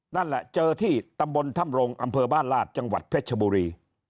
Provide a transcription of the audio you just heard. นั่นแหละเจอที่ตำบลถ้ำรงอำเภอบ้านลาดจังหวัดเพชรชบุรี